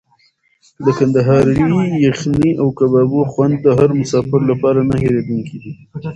د کندهاري یخني او کبابونو خوند د هر مسافر لپاره نه هېرېدونکی وي.